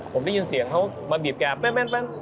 ผมได้ยินเสียงเขามาบีบแกน